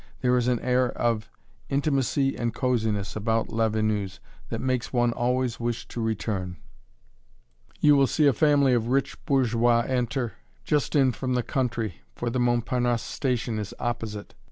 There is an air of intime and cosiness about Lavenue's that makes one always wish to return. [Illustration: (group of men dining)] You will see a family of rich bourgeois enter, just in from the country, for the Montparnasse station is opposite.